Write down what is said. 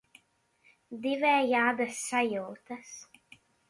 Divējādas sajūtas.